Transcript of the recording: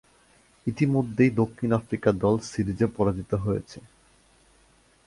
ইতিমধ্যেই দক্ষিণ আফ্রিকা দল সিরিজে পরাজিত হয়েছে।